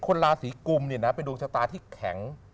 คนลาศรีกลุ่มเป็นดวงชะตาที่แข็ง